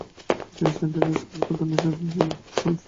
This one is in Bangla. তিনি সেন্টার এসকোলার কাতালানিস্তার সদস্য হন।